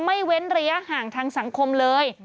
เว้นระยะห่างทางสังคมเลย